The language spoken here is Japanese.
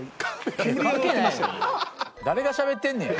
誰がしゃべってんねん？